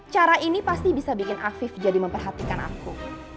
cara ini pasti bisa bikin afif jadi memperhatikan aku